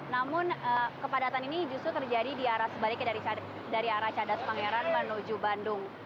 namun kepadatan ini justru terjadi di arah sebaliknya dari arah cadas pangeran menuju bandung